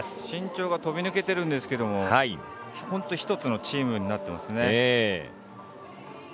身長が飛び抜けてるんですけども１つのチームになってますね。